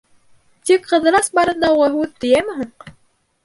Тик Ҡыҙырас барында уға һүҙ тейәме һуң?